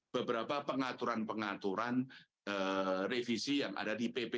beberapa pengaturan pengaturan revisi yang ada di pp satu dua ribu sembilan belas